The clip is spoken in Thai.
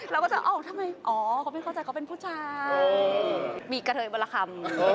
แล้วก็จะอ๋อทำไมอ๋อเค้าไม่เข้าใจเค้าเป็นผู้ชายมีกระเทยบัลละคำ